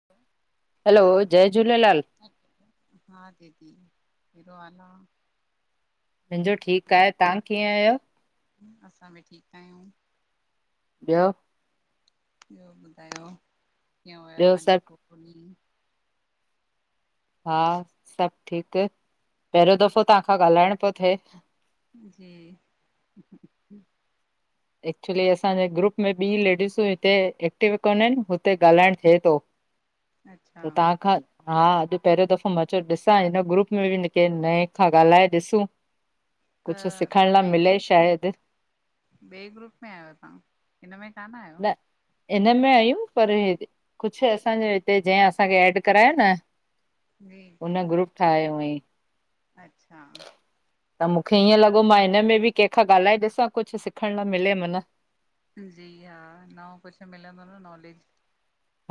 [inaudible] Hello, जय झूलेलाल! हा दीदी केड़ो हाल आ? मुंहिंजो ठीकु आहे। तव्हां कीअं आहियो? असां बि ठीकु आहियूं। ॿियो? ॿियो ॿुधायो, कीअं हुया ॿियो तव्हांजो सभु फोटो ॾींहुं? हा, सब ठीकु, पहिरियों दफ़ो तहां खां ॻाल्हाइण पियो थिए। जी। एक्चुली असांजे ग्रुप में ॿ लेडीसूं हिते एक्टिव कोन आहिन, हुते ॻाल्हाइण थिए थो। अच्छा त तहां खां हा, अॼु पहिरियों दफ़ो मां चयो ॾिसां हिन ग्रुप में ॿ कैं नएं खां ॻाल्हाए ॾिसूं। त कुछु तव्हां सिखण लाए ॿिए मिले ग्रुप में शायद! ॿिए ग्रुप में आहियो तां, हिन में कान आयो? हिन में आयूं पर हेे कुछु असांजे हिते, जैं असांखे ऐड करायो न जी जी हुन ग्रुप ठाहियो हुअईं। अच्छा! त मूंखे ईअं लॻो मां हिनमें बि कंहिंखां ॻाल्हाए ॾिसां, कुछु सिखणु लाए मिले मन। जी हा, नओं कुछु मिलंदो न नॉलेज।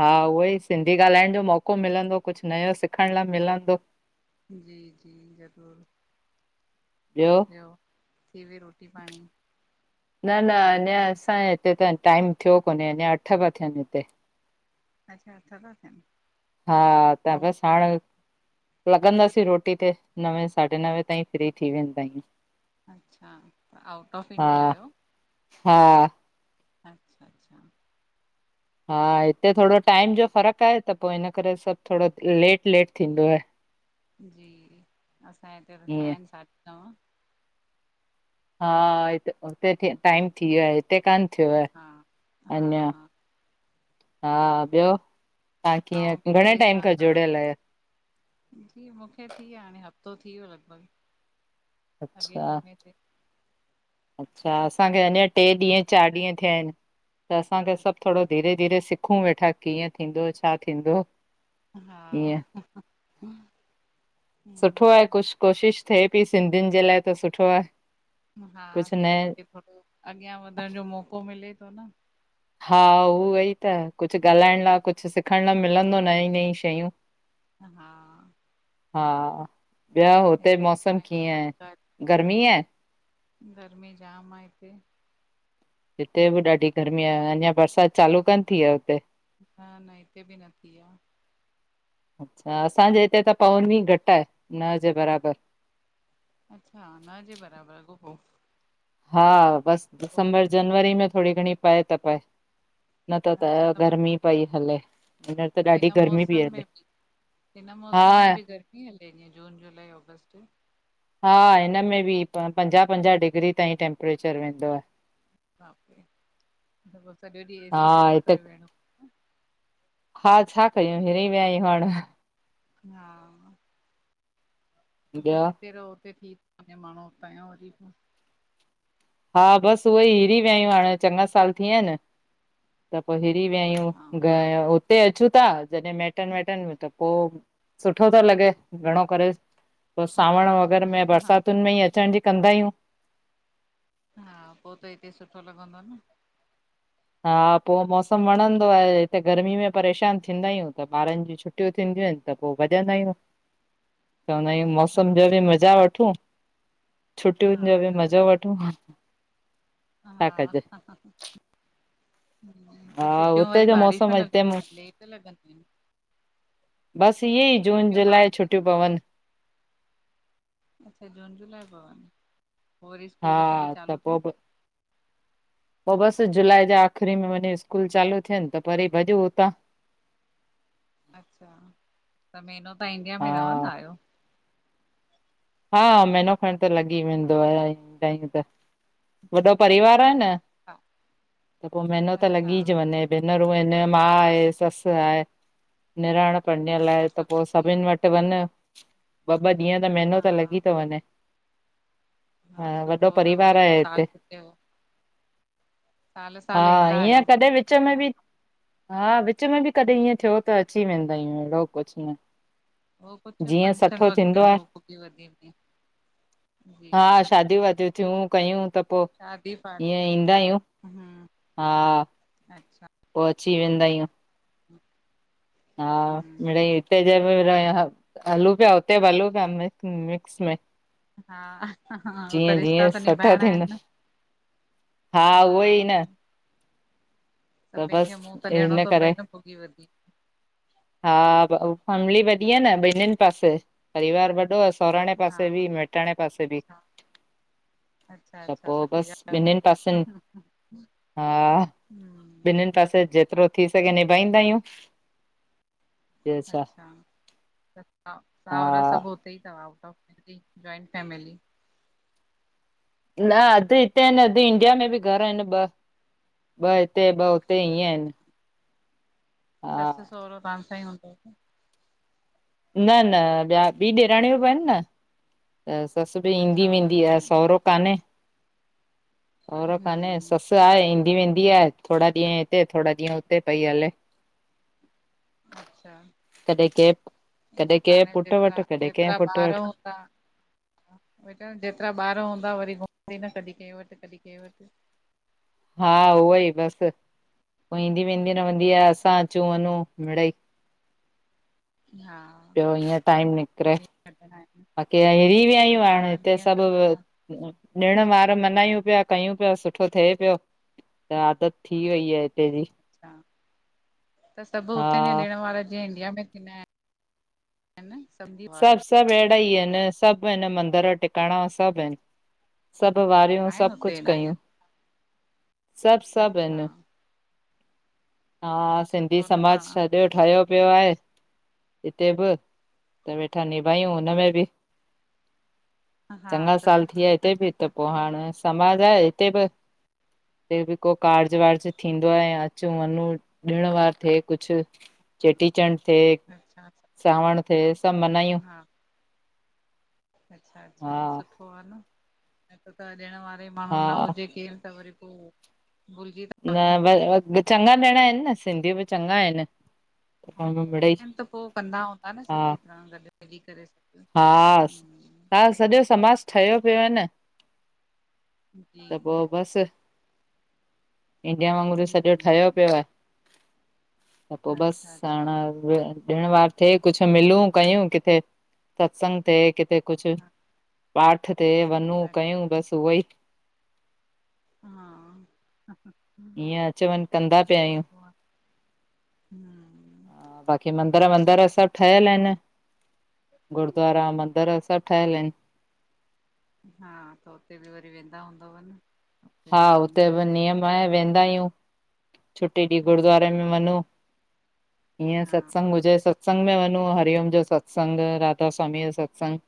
हा उहो ई, सिंधी ॻाल्हाइण जो मौको मिलंदो, कुझु नयो सिखण लाइ मिलंदो। जी, जी, ज़रूर। ॿियो, थी वई रोटी पाणी? न-न, अंञा असांजे हिते त टाइम थियो कोन्हे अंञा अट्ठ ता थियनि हिते। अच्छा अट्ठ ता थियन। हा, त बस हाणे लॻंदासीं रोटी ते, नवे साढे नवे ताईं फ्री थी वेंदा आहियूं। अच्छा, त आउट ऑफ हा इंडिया आहियो? हा। अच्छा अच्छा! हा, हिते थोङो टाइम जो फ़र्कु आहे त पो हिन करे सब थोङो लेट- लेट थींदो आहे। [unintelligible] जी, असांजे हिते त थिया ईअं आहिन सॾि नंव। हा हुते टाइम थी वियो आहे, हिते कान थियो आहे हा, हा- अञा हा। हा ॿियो, तां आऊं बि कीअं, घणे देरि टाइम सां खां तव्हां जुड़ियल आहियो? जी मूंखे थी व्या हाणे, हफ़्तो थी वियो लॻभॻि अॻे अच्छा जुमे ते। अच्छा, असांखे अंञा टे ॾींहं, चार ॾींहं थिया आहिन त असांखे सब थोड़ो धी-रे धीरे सिखूं वेठा, कीअं थींदो, छा थींदो? हा ईअं। सुठो आ, हम्म कुछु कोशिशि थिए पई सिंधियुन जे लाइ त सुठो आ। हा, सिंधी खे थोड़ो अॻियां वधण जो मौको मिले थो न। हा उऊ ई त कुझु ॻाल्हाइण लाइ, कुझु सिखण लाइ मिलंदो नई नई शयूं। हा हाॿियाो, हुते मौसम कीअं आहे, जानकारी गर्मी आहे? गर्मी जाम आ इते। हिते बि ॾाढी गर्मी आ, अंञा बरसात चालू कोन थी आहे हुते? न न, हिते बि न थी आ। अच्छा, असांजे हिते त पवनी घटि आहे, न जे बराबर। अच्छा न जे बराबर अॻोपो। हा बस, दिसंबर जनवरी में थोड़ी घणी पए त पए। न त त अच्छा माना गर्मी पई हले, हींअर त ॾाढी इन गर्मी पई मौसम में हले। बि हिन हा मौसम में बि गर्मी हले, जीअं जून जुलाई ऑगस्ट। हा हिनमें बि, प पंजाह पंजाह डिग्री ताईं टेम्परेचर वेंदो आए। त पो सॼो ॾींह ए सी हा चालू हिते करे वेयणो हा छा कयूं हिरी विया आयूं हाणे। हा, हु त ॿियो जिते रहो उते थी थो वञे माण्हू हुतां यों वरी पो। हा बस उहे ई हिरी विया आयूं हाणे चङा साल थी विया आहिन। त पो हिरी विया आयूं, अच्छा हुते अचूं था जॾहिं मायटनि वायटनि में त पो सुठो थो लॻे, घणो करे। पो सावण हा वग़ैरह में हा बरसातुनि में ई अचण जी कंदा आयूं। हा पो त हिते सुठो लॻंदो न। हा पो मौसमु वणंदो आहे, हिते गर्मी में परेशान थींदा आहियूं त ॿारनि जी छुट टियूं थींदियूं आहिनि त पो भॼंदा आयूं। चवंदा आयूं अच्छा मौसम जो बि मज़ा वठूं। हा छुटियुनि ज बि त मज़ो वठूं। छा कजे हा, हा त छुटियूं हुते वरी जो बारिश मौसम में हिते लॻंदियूं त लेट त लॻंदियूं न। बस इहे ई जून छुटियूं जुलाई ॿारनि खे छुटियूं न, पवनि। अच्छा जून जुलाई पवन, पो वरी हा स्कूल कॾहिं चालू त पो थियन? बि [inaudible] पो बस जुलाई जे आख़िरी में वञी स्कूल चालू थियनि त वरी भॼूं हुतां। [inaudible] अच्छा त महिनो तव्हां इंडिया हा में रवंदा आहियो? हा, महीनो खण त लॻी वेंदो आहे, ईंदा आयूं त। वॾो परिवार आ न हा त पो महिनो त अच्छा लॻीज वञे। भेनरूं आहिनि, मां आहे, सस आहे, निणान पणीअल आहे अच्छा त पो सभु सभिनि वटि त वञ ॿ ॿ ॾीअं त महिनो हा थी तो वंञे, हा वॾो सुठो न परिवार वरी पोइ आहे साल हिते। छुटियो साल हा साल ईंदा ईअं आहियो कॾहिं विच में बि हा विच में बि कॾहिं ईअं थियो त अची वेंदा आयूं अहिड़ो कुझु न। उह कुझु जीअं फंक्शन सठो थींदो आहे [unintelligible] हा जी शादिय वादियूं थियूं कयूं त पो शादी पार्टी ईअं ईंदा आयूं, हम्म हा। अच्छा। पो अची वेंदा आयूं। [inaudible] हा हम्म मिड़ेइ हम्म हिते जा बि रहन हलू पिया हुते बि हलू पिया मिक्स में हा, हो त जीअं रिश्ता जीअं त सठो निभाइणा थींदा आहिनि। हा, उहोई न। त सभिनि बस खे मुंहुं त ॾियणो हिन थो करे पए न भुॻी वधी हा फैमिली वॾी आ न ॿिननि पासे परिवार वॾो हसि। सोराणे हा पासे बि, मेटाणे पासे बि। अच्छा अच्छा त अच्छा पो सुठी बस ॻाल्हि ॿिन्हिनि आ पासनि न। [unintelligible] हिननि पासे जेतिरो थी सघे निभाईंदा आहियूं। ॿियो छा अच्छा, त सा हा सहुरा सभु उते ई तव आउट ऑफ हिते, जॉइंट फैमिली। न, अधु हिते हिनि, अधु इंडिया में बि घर आहिनि ॿ, ॿ हिते ॿ त ईअं आहिनि। हा ससू सहुरो तां सां ई हूंदव न? न न, ॿिया बी ॾेराणियूं बि आहिनि न। त ससु बि ईंदी अच्छा हुननि वेंदी आ, सां आहिनि सहुरो कान्हे, सहुरो काने हम्म ससु ससु आहे ईंदी वेंदी आहे थोरा ॾींहं हिते थोरा ॾींहं हुते पई हले। कॾें के ऊओ त हाणे जेतिरा, जेतिरा ॿार वटि हूंदा बेटर, जेतिरा ॿार हूंदा, वरी घुमंदी न कॾी कंहिं वटि कॾी कंहिं वटि हा, उहो ई बसि पोइ ईंदी वेंदी रहंदी आ, असां अचूं वञूं मिड़ई हा। ॿियो हीअं टाइम निकिरे, ॾींहं कटंदा आहिनि बाक़ी त हिरी विया आहियूं हा हाणे हिते ॾींहं सभु कटंदा आहिनि ॾिण वार मनायूं पिया कयूं पिया सुठो थिए पियो। त आदत थी वई आहे हिते जी। अच्छा, त सभु हा हुते ई ॾिण वारा जीअं इंडिया में थींदा आहिनि हा न सब्जी। सभु सभु अहिड़ा ई इन, सभु इन मंदिर टिकाणा, सभु इन। सभु वारियूं, आहिनि सभु हुते कुछु हेॾा कयूं, हीअं सभु सभु इन। अच्छा हा सिंधी सुठो न समाज पाण सॼो ठहियो पियो आहे हिते बि त वेठा निभायूं हुनमें बि, हा चङा त साल थी विया हिते बि त पोइ हाणे समाज आहे हिते बि हिते बि को कार्जु वार्ज थींदो आ यां, अचूं वञूं ॾिण वार थिए कुछु चेटीचंड थे अच्छा सावण थे त मनायूं, हा हा। हो आ न, हिकु त ॾिण वारे माण्हूं न हा हुजे केरु त वरी पोइ, भुलजी ता न न चङा ॼणा इन न, सिंधी बि चङा इन। हा, कंदा इन त पोइ कंदा हूंदा न, सुठी तरह गॾु मिली करे। हास्, हम्म हा सॼो समाज ठहियो पियो आ न। जी। त पोइ बसि इंडिया वांगुर सॼो ठहियो हम्म पियो आ। त पोइ बसि, अच्छा अच्छा साणा, ॾिण वार थिए कुछु मिलूं कयूं किथे सत्संग ते किथे कुछु पाठ ते वञू कयूं अच्छा बसि उहो ई हा, ईअं अच वञ कंदा पिया आहियूं। सुठो आ। हम्म। बाक़ी मंदिर ॿंदर सभु ठहियल इन, गुरुद्वारा, मंदिर सभु ठहियल इन। हा त उते बि वरी वेंदा हूंदव न? हा हुते बि नियम आहे वेंदा आहियूं, छुटी ॾींहुं गुरुद्वारे में। हम्म वनू, ईअं हा सतसंग हुजे त सत्संग में वञूं, हरिओम जो सत्संग, राधा स्वामी जो सत्संग।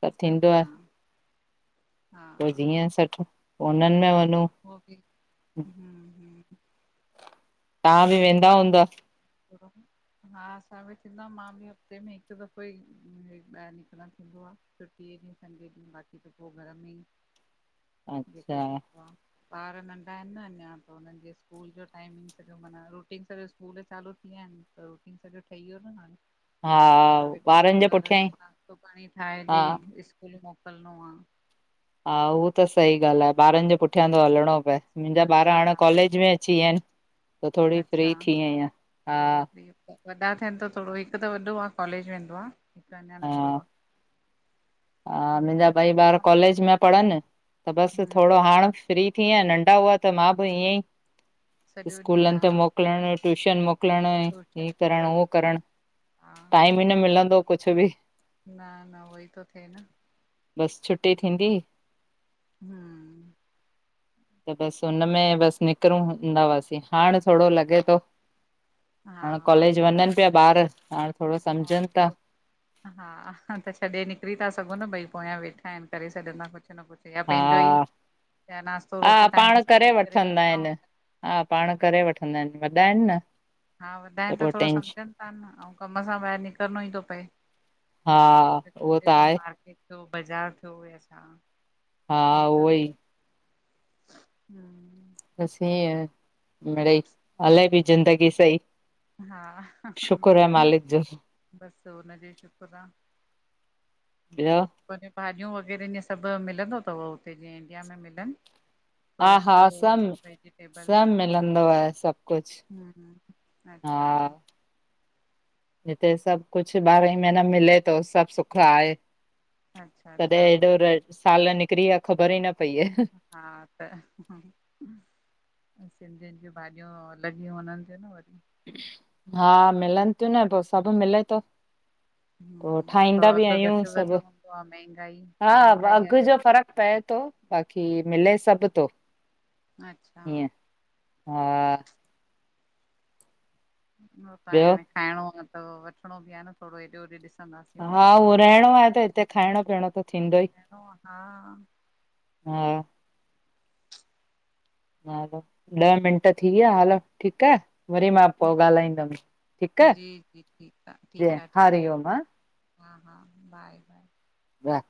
त थींदो आ, अच्छा हा पोइ ॾिहं जो सत्संग पो उन्हनि में वञूं। हो बि, हम्म हम्म। तव्हां बि सुठो वेंदा आ हूंदा? - - हा असां बि थींदो आ, मां बि हफ़्ते में हिकु दफ़ो ई ॿाहिर निकिरणु थींदो आ। छुट्टीअ ॾींहुं संडे ॾींहुं बाक़ी त पो घर में ई। ह [inaudible] ॿार नंढा हिन न अंञां त हूनन जे स्कूल जो टाइमिंग। माना सॼो स्कूल चालू थी विया हिन त रूटीन सॼो ठही वियो न हाणे। हा सवेल उथी जे ॿारनि पुठियां ई खे नाश्तो पांणी ठाहे हा ॾे स्कूल मोकिलणो आ। हा उहो त सही गाल्ह आ ॿारनि जो पुठियां तो हम्म, हलिणो पए मुंजा सॼो ॿार ॾींहुं हाणें हा कॉलेज में अची विया हिन। त थोड़ी अच्छा फ्री थी आहिंयां हा थोरो फ्री वॾा थियन त थोड़ो हिकु त वॾो आ कॉलेज वेंदो आ। हीकु अंञां हा नंढो आ। हा मिंजा ॿई ॿार कॉलेज में पढ़न त बस थोड़ो हम्म हाणे - - फ्री थी आहियां नंढा हुआ त मां बि ईअं ई सॼो ॾींहुं स्कूलन हा ते मो - - मोकलण ट्यूशन मो - - मोकिलंण ट्यूशन हे करण हो कल करण हा टाइम ई न मिलंदो हो कुछु बि - - न न उहोई तो थिए न - - बस छुट्टी थींदी ही- - हम्म - - त बसि उनमें बस निकरूं हूंदा हुआसीं - - हाणें थोड़ो हा लॻे तो, हाणे हा कॉलेज वंञंनि पिया ॿार हाणे - - हा थोड़ो - - हा त छॾे निकिरी ता सघो न ॿई पोयां वेठा हिन करे छॾंदा कुछु न कुछु। या पंहिंजो हा ई या नाश्तो हा रोटी टाइम पाण सां ॾई करे वठंदा वेठा आहिनि। हूंदा - - हा पांण करे वठंदा हिन वॾा हिन न। हा वॾा इन त पो थोड़ो टेंश सम्झन ता न अंउ - - कम सां ॿाहिर निकिरणो ई तो पए, हा कुछ उहो त खपे तो आहे मार्केट थियो बाज़ार थियो या छा, हा थे त उहो ई अथो - - हम्म - - बसि हींअं मड़ई हले बि ज़िंदगी सही - - हा शुकुर आ मालिक जो - - बस हुन जी शुक्र आ - - ॿियो - - पाज्यूं भाॼियूं वग़ैरह ईअं सभु मिलंदो तव हुते जीअं इंडिया में मिलन - - हा फ्रूट्स, हा सभु वेजिटेबलस सभु मिलंदो आहे सभु कुझु हुं - - अच्छा हीते सभु कुछु ॿारहां ई महीना मिले तो सभु सुख आहे - - अच्छा तॾहिं अच्छा हेॾो साल निकरी विया ख़बर ई न पई आये - - हा त - - सिंधियुन ज्यूं भाॼियूं अलॻ ही वंञंनि थियूं न वरी हा मिलन तियूं न पो सभु मिले तो। पो हम्म ठाहींदा थोरो बि अघु आहियूं घटि वधि सभु, हूंदो आहे महांगाई हा महांगाई अघि आहे जो हुते फर्कु पए तो। बाक़ी मिले सब् तो अच्छा‌। हा। ॿियो हाणे खाइणो आहे त वठणो बि आहे न थोरो हेॾो होॾे ॾिसंदासीं हा मिली उवो रहणो आहे त हिते खाइणो पीअणो त थींदो ही। खाइणो आहे हा हा! [inaudible] हलो, ॾह मिंट थी विया हलो ठीक आहे। वरी मां पोइ जी ॻाल्हाईंदम ठीक जी जी ठीकु आहे ठीकु आहे हरिओम ठीकु हा आहे हा हा, बाए- बाए। वाह!